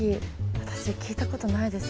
私聞いたことないです。